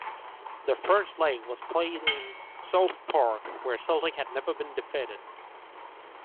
The first leg was played in Celtic Park, where Celtic had never been defeated.